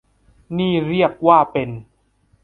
นี่เรียกว่าเป็น